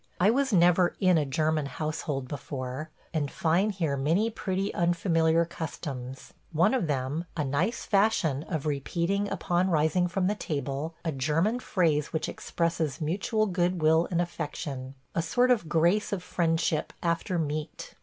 I was never in a German household before, and find here many pretty unfamiliar customs – one of them a nice fashion of repeating upon rising from the table a German phrase which expresses mutual good will and affection, a sort of grace of friendship after meat.